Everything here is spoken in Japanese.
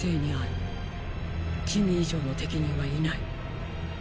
君以上の適任はいない。